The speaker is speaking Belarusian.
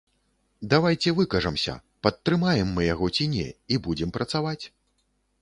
Давайце выкажамся, падтрымаем мы яго ці не, і будзем працаваць.